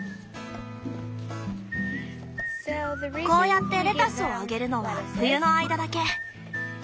こうやってレタスをあげるのは冬の間だけ。